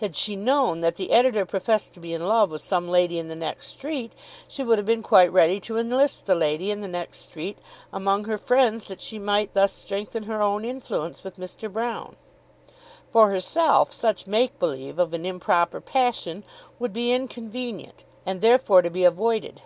Had she known that the editor professed to be in love with some lady in the next street, she would have been quite ready to enlist the lady in the next street among her friends that she might thus strengthen her own influence with Mr. Broune. For herself such make belief of an improper passion would be inconvenient, and therefore to be avoided.